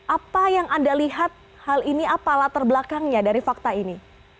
apa yang anda lihat hal ini apalah terbelakangnya dari fakta ini